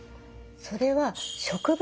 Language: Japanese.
それは植物